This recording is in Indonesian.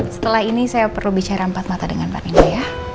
setelah ini saya perlu bicara empat mata dengan pak nindya ya